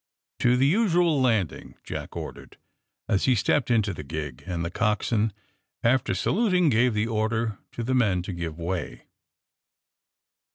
To the usual landing," Jack ordered, as he stepped into the gig, and the coxswain, after saluting, gave the order to the men to give way.